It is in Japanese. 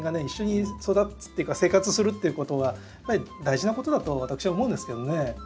一緒に育つっていうか生活するっていうことが大事なことだと私は思うんですけどね。